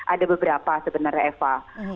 ada beberapa sebenarnya eva